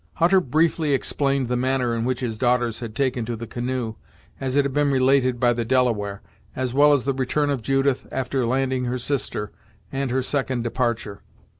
Hutter briefly explained the manner in which his daughters had taken to the canoe, as it had been related by the Delaware, as well as the return of Judith after landing her sister, and her second departure.